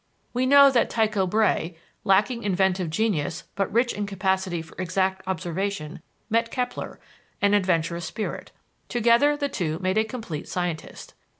We know that Tycho Brahé, lacking inventive genius but rich in capacity for exact observation, met Kepler, an adventurous spirit: together, the two made a complete scientist.